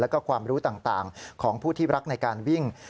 แล้วก็ความรู้ต่างของผู้ที่รักในการวิ่ง